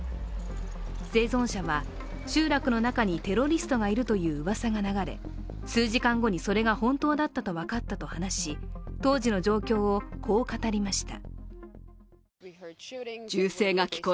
生存者は、集落の中にテロリストがいるといううわさが流れ、数時間後にそれが本当だったと話し、当時の状況をこう語りました。